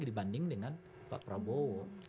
dibanding dengan pak prabowo